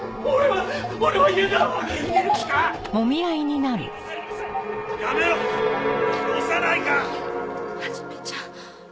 はじめちゃん。